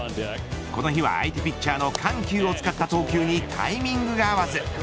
この日は相手ピッチャーの緩急を使った投球にタイミングが合わず。